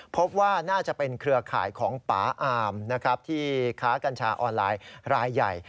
พบว่าน่าจะเป็นเครือข่ายของป่าอามนะครับที่ค้ากัญชาออนไลน์รายใหญ่